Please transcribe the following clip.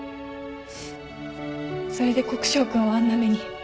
それで国生君をあんな目に。